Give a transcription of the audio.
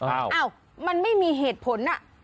อ้าวมันไม่มีเหตุผลอ่ะ